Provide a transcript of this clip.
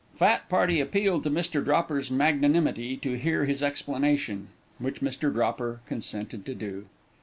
Fat party appealed to Mr. Dropper's magnanimity to hear his explanation, which Mr. Dropper consented to do.